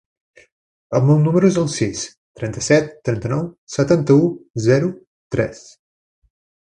El meu número es el sis, trenta-set, trenta-nou, setanta-u, zero, tres.